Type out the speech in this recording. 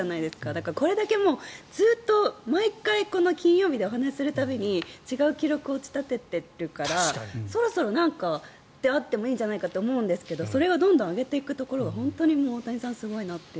だから、これだけずっと毎回この金曜日でお話しする度に違う記録を打ち立てているからそろそろ何かあってもいいんじゃないかと思うんですけどそれがどんどん上げていくところが本当に大谷さんすごいなって。